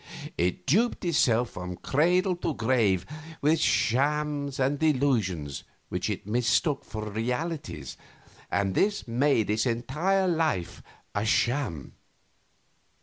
It duped itself from cradle to grave with shams and delusions which it mistook for realities, and this made its entire life a sham.